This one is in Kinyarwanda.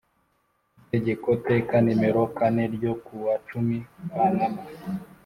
Itegeko teka nimero kane ryo ku wa cumi Kanama